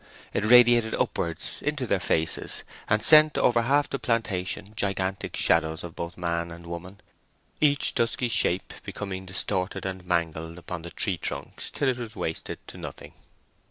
It radiated upwards into their faces, and sent over half the plantation gigantic shadows of both man and woman, each dusky shape becoming distorted and mangled upon the tree trunks till it wasted to nothing.